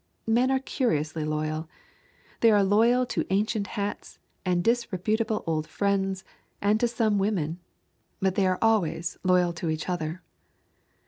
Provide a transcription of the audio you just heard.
Men are curiously loyal. They are loyal to ancient hats and disreputable old friends and to some women. But they are always loyal to each other.